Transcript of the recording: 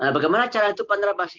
bagaimana cara itu pak ndra